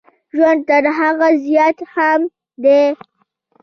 ژوند تر هغه زیات مهم دی.